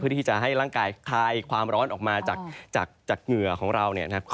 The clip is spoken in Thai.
เพื่อที่จะให้ร่างกายคลายความร้อนออกมาจากเหงื่อของเราเนี่ยนะครับ